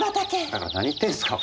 だから何言ってんすか？